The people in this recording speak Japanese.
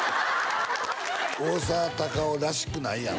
大沢たかおらしくないやん。